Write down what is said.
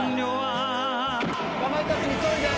かまいたち急いで。